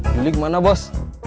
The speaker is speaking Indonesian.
juli kemana bos